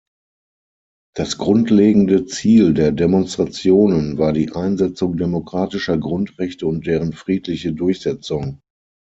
Das grundlegende Ziel der Demonstrationen war die Einsetzung demokratischer Grundrechte und deren friedliche Durchsetzung.